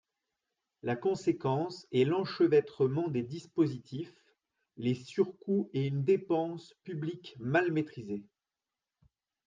La conséquence est l’enchevêtrement des dispositifs, les surcoûts et une dépense publique mal maîtrisée.